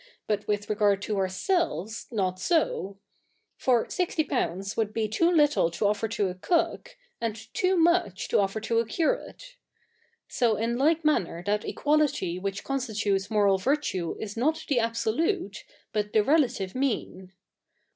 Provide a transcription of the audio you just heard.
biit with rega7 d to ourselves, 7wt so. For 60/. would be too little to offer to a cook, a7id too 7nuch to offer to a curate. So in like 77ia7uier that equality which co7istitutes 7no7'al vi7'tue is /lot the absolute, but the relative 7nean.